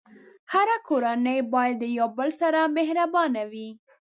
هره کورنۍ باید د یو بل سره مهربانه وي.